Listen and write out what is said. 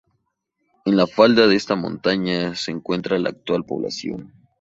En la falda de esta montaña se encuentra la actual población.